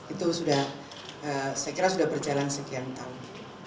itu sudah saya kira sudah berjalan sekian tahun